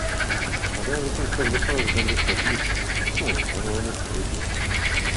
Przemawiają za tym chociażby same względy strategiczne - wspomniał Pan o niektórych z nich